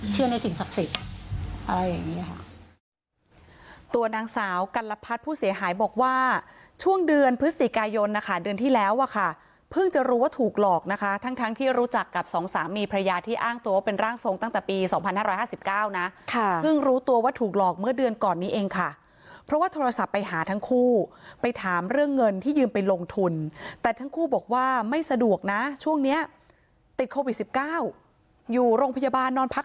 เชื่อในสิ่งศักดิ์สิทธิ์อะไรอย่างนี้ค่ะตัวนางสาวกัลพัดผู้เสียหายบอกว่าช่วงเดือนพฤศติกายนนะคะเดือนที่แล้วอ่ะค่ะเพิ่งจะรู้ว่าถูกหลอกนะคะทั้งทั้งที่รู้จักกับสองสามีพระยาที่อ้างตัวเป็นร่างทรงตั้งแต่ปีสองพันห้าร้อยห้าสิบเก้านะค่ะเพิ่งรู้ตัวว่าถูกหลอกเมื่อเดือนก่อนนี้เองค่ะเพราะว่